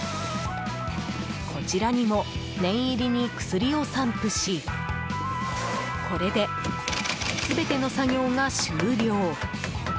こちらにも念入りに薬を散布しこれで全ての作業が終了。